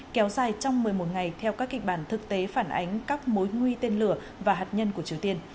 kéo dài trong một mươi một ngày theo các kịch bản thực tế phản ánh các mối nguy tên lửa và hạt nhân của triều tiên